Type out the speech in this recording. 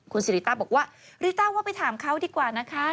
คุณสิริต้าบอกว่าริต้าว่าไปถามเขาดีกว่านะคะ